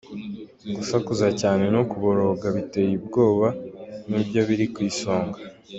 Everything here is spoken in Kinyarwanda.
Gusakuza cyane no kuboroga biteye ubwoba nibyo biri ku isonga.